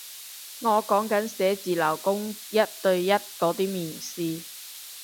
我講緊寫字樓工一對一嗰啲面試